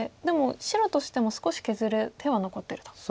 でも白としても少し削る手は残ってると。